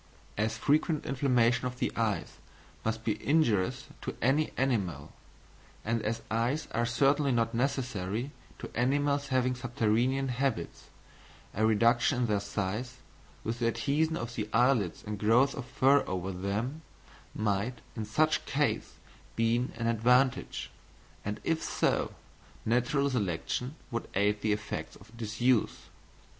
As frequent inflammation of the eyes must be injurious to any animal, and as eyes are certainly not necessary to animals having subterranean habits, a reduction in their size, with the adhesion of the eyelids and growth of fur over them, might in such case be an advantage; and if so, natural selection would aid the effects of disuse.